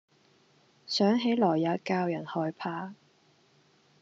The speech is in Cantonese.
想起來也教人害怕。